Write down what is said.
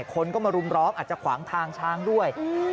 คนก็มารุมร้อมอาจจะขวางทางช้างด้วย